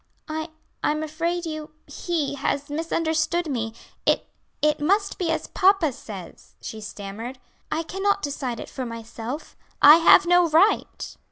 "I I'm afraid you he has misunderstood me; it it must be as papa says," she stammered; "I cannot decide it for myself, I have no right."